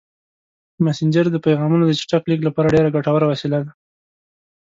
مسېنجر د پیغامونو د چټک لیږد لپاره ډېره ګټوره وسیله ده.